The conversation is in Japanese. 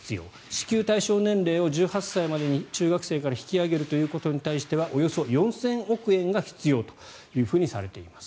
支給対象年齢を１８歳までに中学生から引き上げることに対してはおよそ４０００億円が必要とされています。